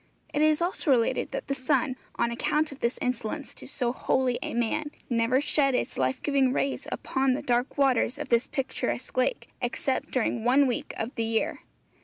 It is also related that the sun, on account of this insolence to so holy a man, never shed its life giving rays upon the dark waters of this picturesque lake, except during one week of the year.